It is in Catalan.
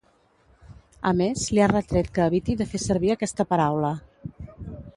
A més, li ha retret que eviti de fer servir aquesta paraula.